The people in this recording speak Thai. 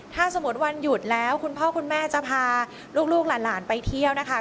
ถ้าสมมุติวันหยุดแล้วคุณพ่อคุณแม่จะพาลูกหลานไปเที่ยวนะคะ